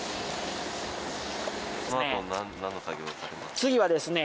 次はですね